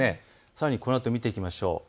さらにこのあとも見ていきましょう。